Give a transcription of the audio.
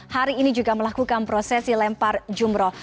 hari ini juga melakukan prosesi lempar jumroh